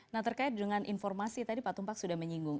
nah terkait dengan informasi tadi pak tumpak sudah menyinggung